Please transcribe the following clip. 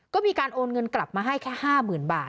ก็มีการโอนเงินกลับมาให้แค่๕๐๐๐บาท